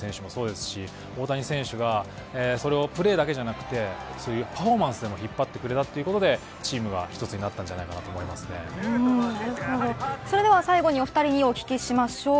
ヌートバー選手もそうですし大谷選手がそれをプレーだけじゃなくてそういうパフォーマンスでも引っ張ってくれたってことでチームが一つになったそれでは最後にお二人にお聞きしましょう。